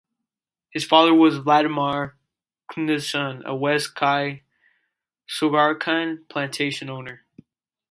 His father was Valdemar Knudsen, a west Kauai sugarcane plantation owner.